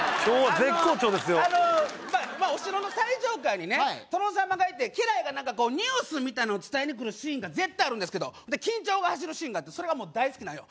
あのあのまあお城の最上階にね殿様がいて家来が何かこうニュースみたいのを伝えにくるシーンが絶対あるんですけどで緊張が走るシーンがあってそれがもう大好きなんよ